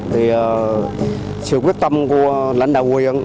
thì sự quyết tâm của lãnh đạo huyện